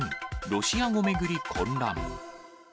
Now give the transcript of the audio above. ロシア語巡り混乱。